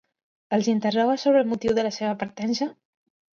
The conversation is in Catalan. Els interroga sobre el motiu de la seva partença?